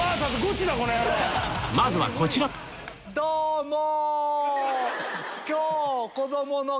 まずはこちらどうも！